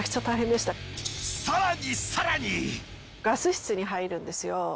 ガス室に入るんですよ。